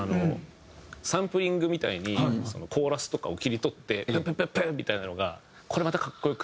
サンプリングみたいにコーラスとかを切り取ってペペペペンみたいなのがこれまた格好良くて。